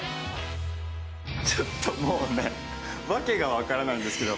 ちょっともうね、わけが分からないんですけど。